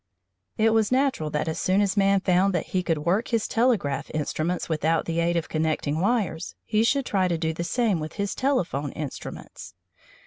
It was natural that as soon as man found that he could work his telegraph instruments without the aid of connecting wires, he should try to do the same with his telephone instruments.